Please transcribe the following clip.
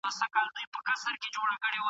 د داخلي موضوعاتو د بحث اړتیا څنګه احساس کیږي؟